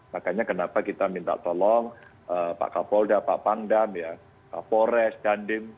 makanya kenapa kita minta tolong pak kapolda pak pangdam kapolres dandim